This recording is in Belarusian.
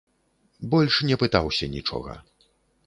Больш не пытаўся нічога.